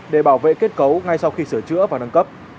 để bảo vệ kết cấu ngay sau khi sửa chữa và nâng cấp